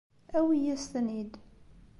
Awi-as-ten-id.